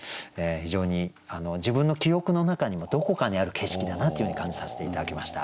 非常に自分の記憶の中にもどこかにある景色だなというように感じさせて頂きました。